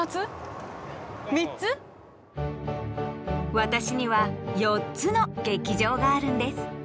私には４つの劇場があるんです。